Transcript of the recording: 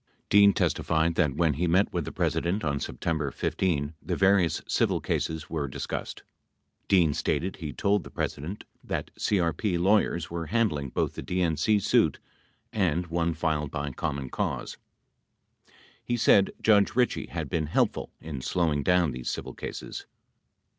Dean testified that, when he met with the President on September 15, the various civil cases were discussed. Dean stated he told the President that CRP lawyers were handling both the DNC suit and one filed by Common Cause. He said Judge Ritchie had been helpful in slowing down these civil cases.